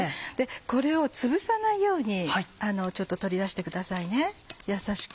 これをつぶさないように取り出してくださいね優しく。